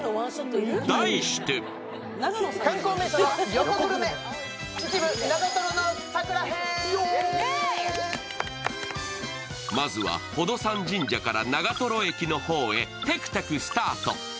題してまずは宝登山神社から長瀞駅の方へテクテクスタート。